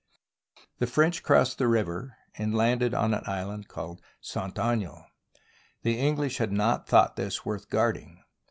The French crossed the river and landed on an island called St. Aignan. The English had not thought this worth guarding.